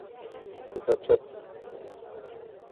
کتابچه د پرمختګ نښه ده